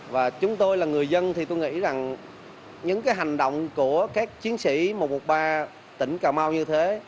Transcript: và chúng tôi là người dân thì tôi nghĩ rằng những cái hành động của các chiến sĩ một trăm một mươi ba tỉnh cà mau như thế